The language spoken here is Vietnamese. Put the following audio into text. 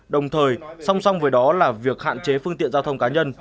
đồng thời song song với đó là việc hạn chế phương tiện giao thông cá nhân